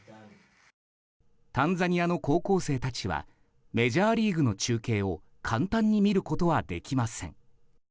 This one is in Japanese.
タンザニアの高校生たちはメジャーリーグの中継を簡単に見ることはできません。